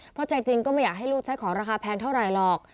เพราะใจจริงก็ไม่อยากให้ลูกใช้ของราคาแพงเท่าไหร่หรอก